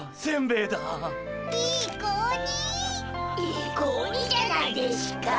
いい子鬼じゃないでしゅかっ。